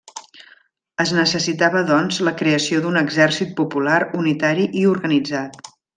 Es necessitava doncs, la creació d’un exèrcit popular unitari i organitzat.